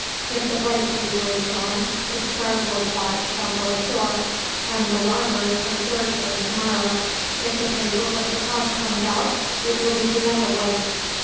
If the blank paper is drawn, the starboard watch shall go ashore, and the larboard take their turn tomorrow. If the paper with the cross comes out, it will be the other way.